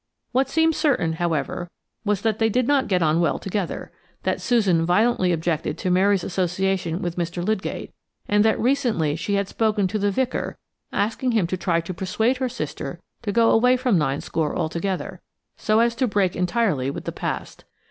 What seemed certain, however, was that they did not get on well together, that Susan violently objected to Mary's association with Mr. Lydgate, and that recently she had spoken to the vicar asking him to try to persuade her sister to go away from Ninescore altogether, so as to break entirely with the past.